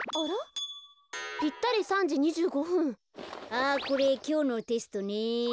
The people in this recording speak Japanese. あっこれきょうのテストね。